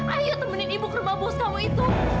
ayo temanin ibu ke rumah bos kamu itu